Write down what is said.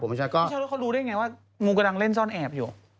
ไม่ใช่ว่าเขารู้ได้ไงว่างูกำลังเล่นซ่อนแอบอยู่